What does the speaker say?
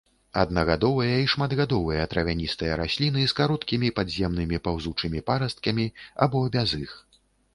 Аднагадовыя і шматгадовыя травяністыя расліны з кароткімі падземнымі паўзучымі парасткамі або без іх.